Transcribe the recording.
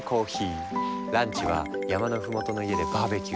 ランチは山の麓の家でバーベキュー。